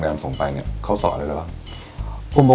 เป็น๓สไตล์ครับ